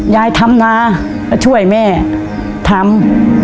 ยายทำนาก็ช่วยแม่ทำ